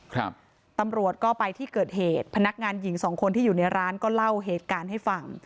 ครับตำรวจก็ไปที่เกิดเหตุพนักงานหญิงสองคนที่อยู่ในร้านก็เล่าเหตุการณ์ให้ฟัง